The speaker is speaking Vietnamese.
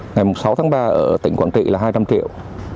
ngày sáu tháng ba ở tỉnh quảng trị là hai trăm linh triệu